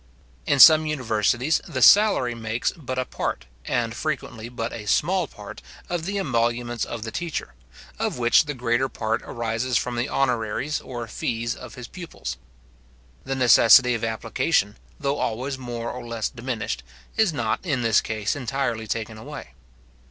In some universities, the salary makes but a part, and frequently but a small part, of the emoluments of the teacher, of which the greater part arises from the honoraries or fees of his pupils. The necessity of application, though always more or less diminished, is not, in this case, entirely taken away.